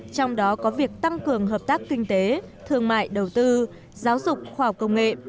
trong đó có việc tăng cường hợp tác kinh tế thương mại đầu tư giáo dục khoa học công nghệ